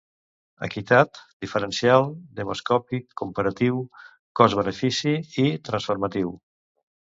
Equitat, diferencial, demoscòpic, comparatiu, cost-benefici i transformatiu.